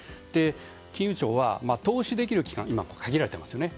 金融庁は投資できる期間が今は限られていますよね。